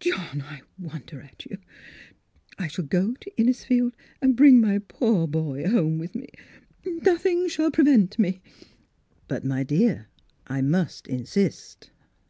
John, I wonder at you ! I shall go to In nisfield and bring my poor boy home with me. Nothing shall prevent me." " But, my dear, I must insist."